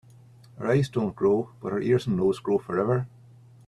Our eyes don‘t grow, but our ears and nose grow forever.